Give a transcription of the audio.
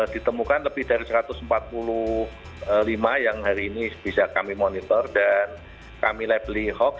ditemukan lebih dari satu ratus empat puluh lima yang hari ini bisa kami monitor dan kami labeli hoax